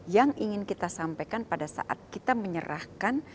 yang ingin kita sampaikan pada saat kita menyerahkan